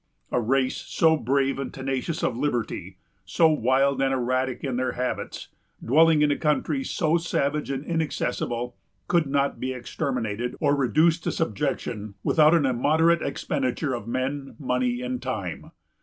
A race so brave and tenacious of liberty, so wild and erratic in their habits, dwelling in a country so savage and inaccessible, could not be exterminated or reduced to subjection without an immoderate expenditure of men, money, and time.